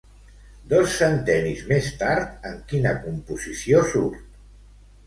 Dos centennis més tard, en quina composició surt?